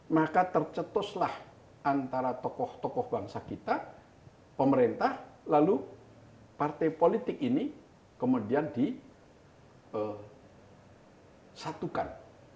maka tercetuslah antara tokoh tokoh bangsa kita pemerintah lalu partai politik ini kemudian disatukan